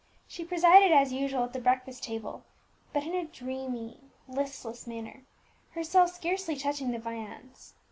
She presided as usual at the breakfast table, but in a dreamy, listless manner, herself scarcely touching the viands.